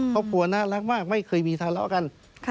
ครอบครัวน่ารักมากไม่เคยมีทะเลาะกัน